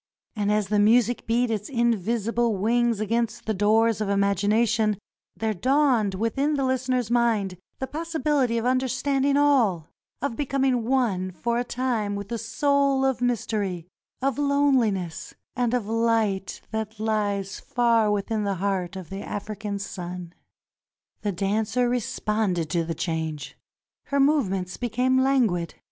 And as the music beat its invisible wings against the doors of imagination there dawned within the listener's mind the possibility of understand ing all — of becoming one for a time with the soul of mystery, of lonehness, and of light that Hes far witliin the heart of the African sun. The dancer responded to the change. Her movements became languid.